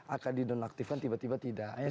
akan di nonaktifkan tiba tiba tidak